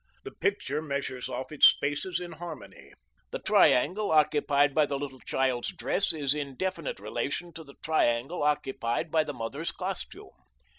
The picture measures off its spaces in harmony. The triangle occupied by the little child's dress is in definite relation to the triangle occupied by the mother's costume.